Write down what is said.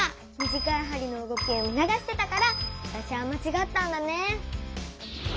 短いはりの動きを見のがしてたからわたしはまちがったんだね。